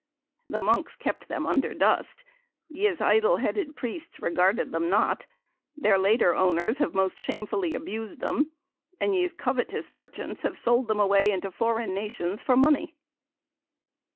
The monkes kepte them undre dust, yeS, ydle headed prestes regarded them not, theyr latter owners have most shamefully abused them, and yeS covetouse merchantes have solde them away into foren nacyons for moneye."